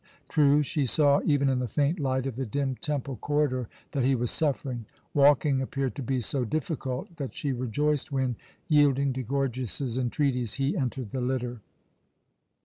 True, she saw, even in the faint light of the dim temple corridor, that he was suffering. Walking appeared to be so difficult that she rejoiced when, yielding to Gorgias's entreaties, he entered the litter.